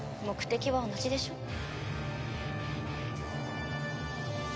目的は同じでしょ？